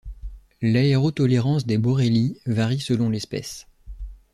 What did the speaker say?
L'aérotolérance des borrélies varie selon l'espèce.